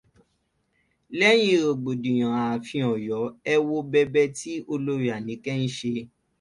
Lẹ́yìn rògbòdìyàn ààfin Ọyọ, ẹ wo bẹbẹ tí Olorì Àníkẹ́ ń ṣe